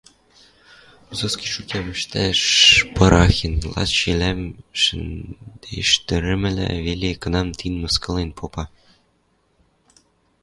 Высоцкий шутям ӹштӓш пырахен, лач йӓлӹм шӹдештӓрӹмӹлӓ веле кынам-тинӓм мыскылен попа.